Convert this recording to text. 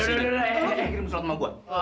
eh kirim surat sama gua